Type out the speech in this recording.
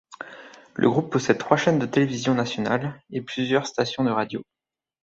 Le groupe possède trois chaînes de télévision nationales et plusieurs stations de radio.